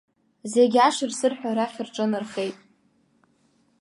Зегь ашыр-сырҳәа уахь рҿынархеит.